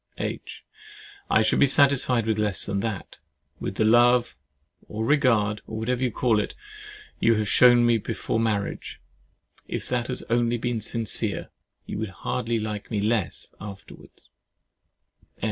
H. I should be satisfied with less than that—with the love, or regard, or whatever you call it, you have shown me before marriage, if that has only been sincere. You would hardly like me less afterwards.